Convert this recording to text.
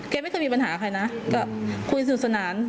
ไม่เคยมีปัญหาใครนะก็คุยสนุกสนาน